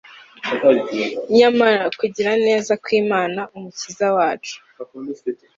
nyamara kugira neza kw imana umukiza wacu